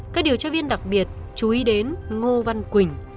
các điều tra viên đặc biệt chú ý đến ngô văn quỳnh